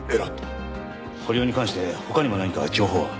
堀尾に関して他にも何か情報は？